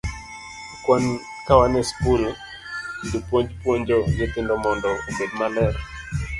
Ka wan e skul, jopuonj puonjo nyithindo mondo obed maler.